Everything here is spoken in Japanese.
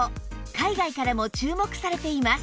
海外からも注目されています